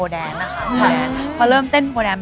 แล้วจริงหรอ